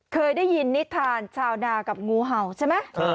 เคยได้ยินนิทานชาวนากับงูเห่าใช่ไหม